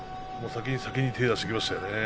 先に先に手を出していきました。